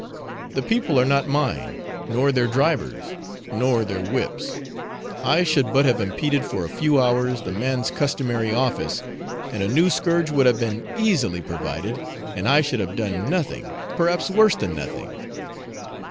The people are not mine, nor their drivers, nor their whips. I should but have impeded, for a few hours, the man's customary office, and a new scourge would have been easily provided, and I should have done nothing, perhaps worse than nothing.